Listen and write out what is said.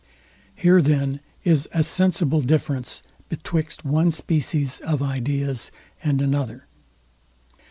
Here then is a sensible difference betwixt one species of ideas and another.